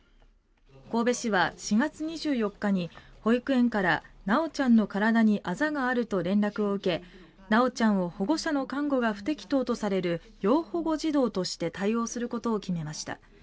神戸市は４月２４日に保育園から修ちゃんの体にあざがあると連絡を受け、修ちゃんを保護者の監護が不適当とされる要保護児童として対応することを決めました。